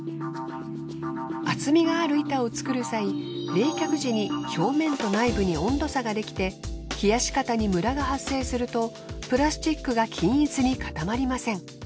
厚みがある板を作る際冷却時に表面と内部に温度差が出来て冷やし方にむらが発生するとプラスチックが均一に固まりません。